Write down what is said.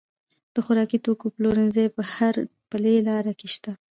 د خوراکي توکو پلورنځي په هر پلې لار کې شته.